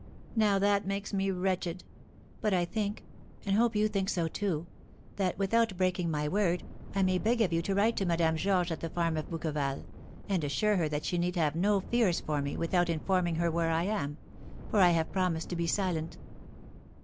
Now that makes me wretched! But I think (and hope you think so, too) that, without breaking my word, I may beg of you to write to Madame Georges at the farm of Bouqueval, and assure her that she need have no fears for me, without informing her where I am; for I have promised to be silent."